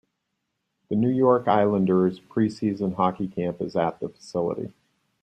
The New York Islanders pre-season hockey camp is at the facility.